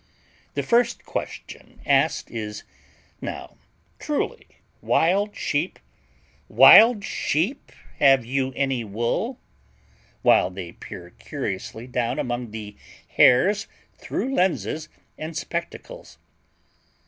The first question asked, is, "Now truly, wild sheep, wild sheep, have you any wool?" while they peer curiously down among the hairs through lenses and spectacles.